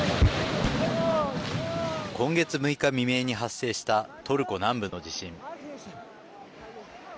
今月６日未明に発生したトルコ南部の地震。